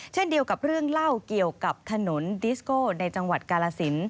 เช่นเดียวกับเรื่องเล่าเกี่ยวกับถนนดิสโก้ในจังหวัดกาลสิน